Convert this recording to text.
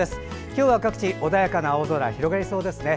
今日は各地、穏やかな青空が広がりそうですね。